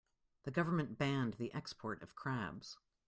The government banned the export of crabs.